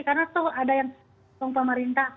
karena itu ada yang ditanggung pemerintah kok